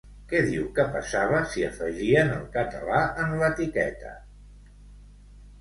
Què diu que passava si afegien el català en l'etiqueta?